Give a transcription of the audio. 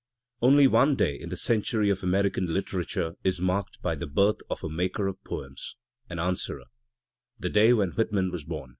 Only one day in the century of American literature is marked by the birth of a "maker of poems, an Answerer "— the day when Whitman was bom.